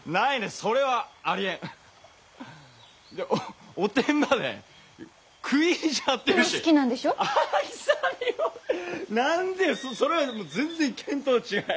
それは全然見当違い！